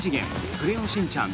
クレヨンしんちゃん